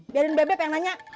biarin bebek yang nanya